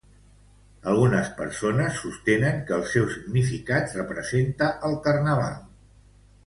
Algunes persones sostenen que el seu significat representa el carnaval.